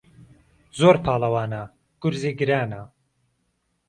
زۆر پاڵهوانه گورزی گرانه